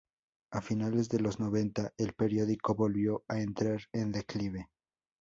A finales de los noventa, el periódico volvió a entrar en declive.